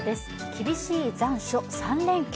厳しい残暑、３連休。